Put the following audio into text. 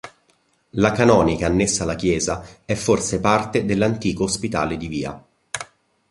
La canonica annessa alla chiesa è forse parte dell'antico ospitale di via.